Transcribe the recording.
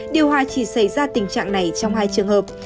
điều hòa chỉ xảy ra tình trạng này trong hai trường hợp